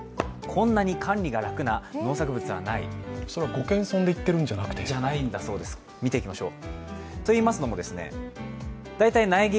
ご謙遜で言ってるんじゃなくて？じゃないんだそうです、見ていきましょう。